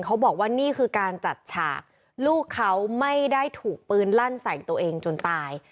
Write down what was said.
เขาบอกว่านี่คือการจัดฉากลูกเขาไม่ได้ถูกปืนลั่นใส่ตัวเองจนตาย